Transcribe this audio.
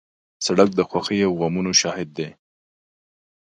سړک د خوښۍ او غمونو شاهد دی.